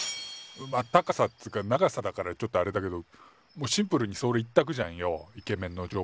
まっ高さっつうか長さだからちょっとあれだけどシンプルにそれ１たくじゃんよイケメンの条件って。